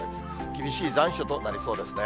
厳しい残暑となりそうですね。